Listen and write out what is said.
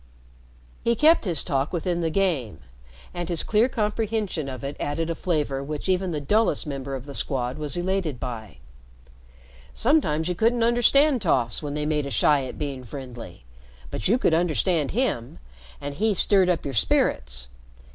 He kept his talk within the game, and his clear comprehension of it added a flavor which even the dullest member of the Squad was elated by. Sometimes you couldn't understand toffs when they made a shy at being friendly, but you could understand him, and he stirred up your spirits.